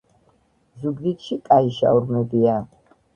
ზუგდიდში კაი შაურმებია